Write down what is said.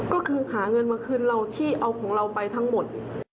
ก็คือหาเงินมาคืนเราที่เอาของเราไปทั้งหมด